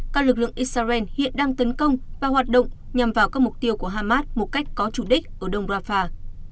các lực lượng israel hiện đang tấn công và hoạt động nhằm vào các mục tiêu của hamas một cách có chủ đích ở đông rafah